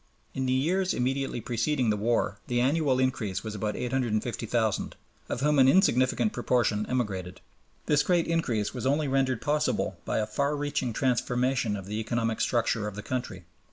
In the years immediately preceding the war the annual increase was about 850,000, of whom an insignificant proportion emigrated. This great increase was only rendered possible by a far reaching transformation of the economic structure of the country.